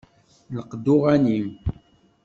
Lqed n uɣanim.